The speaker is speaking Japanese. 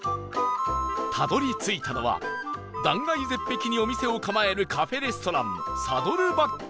たどり着いたのは断崖絶壁にお店を構えるカフェレストラン